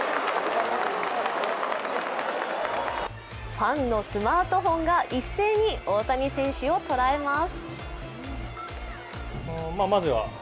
ファンのスマートフォンが一斉に大谷選手を捉えます。